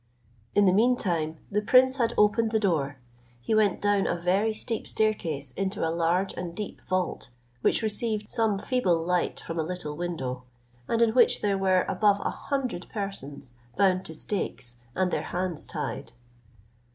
In the mean time, the prince had opened the door; he went down a very steep staircase into a large and deep vault, which received some feeble light from a little window, and in which there were above a hundred persons, bound to stakes, and their hands tied.